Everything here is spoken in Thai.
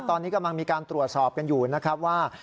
ตอนนี้กำลังมีการตรวจสอบกันอยู่นะครับว่า